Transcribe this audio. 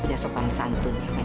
udah sopan santun ya